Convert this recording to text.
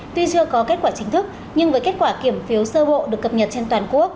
tuy chưa có kết quả chính thức nhưng với kết quả kiểm phiếu sơ bộ được cập nhật trên toàn quốc